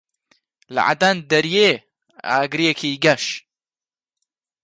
لە عەدەن دەریێ ئاگرێکی گەش